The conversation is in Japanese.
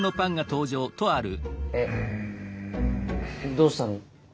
どうしたの？